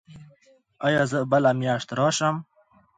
ایا زه بله میاشت راشم؟